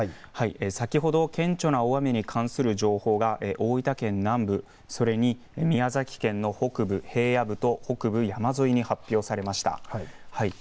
先ほど顕著な大雨に関する情報が大分県南部それに宮崎県の北部平野部、北部山沿いに出されました。